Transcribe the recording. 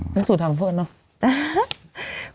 น่าสูตรทำเพื่อนเนาะ